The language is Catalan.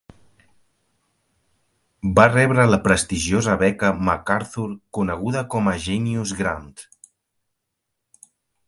Va rebre la prestigiosa beca MacArthur, coneguda com a "Genius Grant".